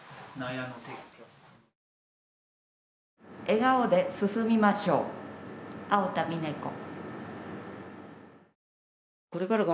「笑顔で進みましょう青田みね子」。